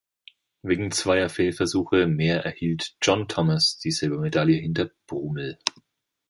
Wegen zweier Fehlversuche mehr erhielt John Thomas die Silbermedaille hinter Brumel.